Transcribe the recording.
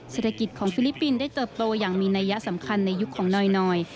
เศรษฐกิจของฟิลิปปินส์ได้เติบโตอย่างมีนัยยะสำคัญในยุคของน้อย